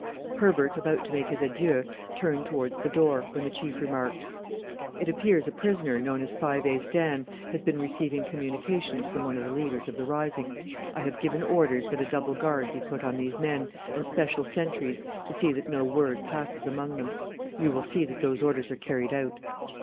Herbert, about to make his adieu, turned towards the door, when the Chief remarked, "It appears a prisoner, known as Five Ace Dan, has been receiving communications from one of the leaders of the rising. I have given orders that a double guard be put on these men, and special sentries, to see that no word passes among them. You will see that those orders are carried out."